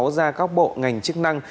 ra các bộ ngành chức năng